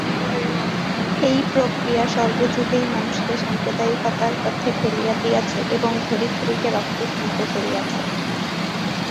এই প্রক্রিয়া সর্বযুগেই মানুষকে সাম্প্রদায়িকতার পথে ঠেলিয়া দিয়াছে এবং ধরিত্রীকে রক্তস্নাত করিয়াছে।